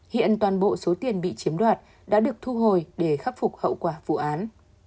hiện toàn bộ số tiền bị chiếm đoạt đã được thu hồi để khắc phục hậu quả vụ án